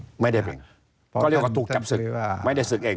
ก็เรียกว่าถูกจับศึกไม่ได้ศึกเอง